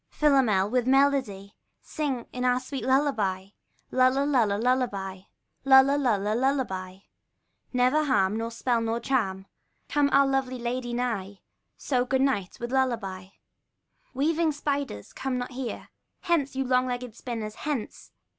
Philomel, with melody, Sing in our sweet lullaby; Lulla, lulla, lullaby; lulla, lulla, lullaby: Never harm, Nor spell, nor charm, Come our lovely lady nigh ; So, good night, with lullaby. 414 SHAKESPEARE Weaving spiders come not here ; Hence, you long legged spinners, hence